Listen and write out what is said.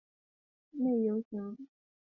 内田翔是日本男子游泳运动员。